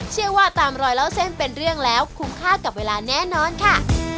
เชื่อว่าตามรอยเล่าเส้นเป็นเรื่องแล้วคุ้มค่ากับเวลาแน่นอนค่ะ